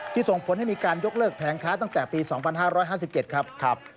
ส่งผลให้มีการยกเลิกแผงค้าตั้งแต่ปี๒๕๕๗ครับ